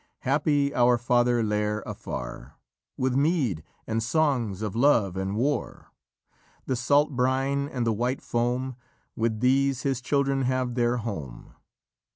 "Happy our father Lîr afar, With mead, and songs of love and war: The salt brine, and the white foam, With these his children have their home.